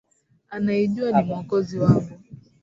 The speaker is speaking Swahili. Anayejua ni mwokozi wangu